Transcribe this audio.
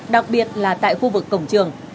đặc biệt là tại khu vực cổng trường